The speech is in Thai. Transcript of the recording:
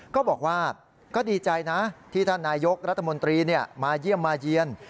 ก็บอกว่าก็ดีใจนะที่ท่านนายกรัฐมนตรีมาเยี่ยมมาเยี่ยน